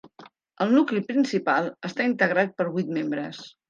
El nucli principal estava integrat per vuit membres.